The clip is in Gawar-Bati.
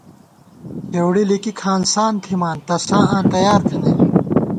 کھېؤڑی لِکِک ہانسان تھِمان تساں تیار آں تھنَئیم